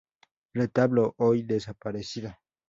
Retablo hoy desaparecido.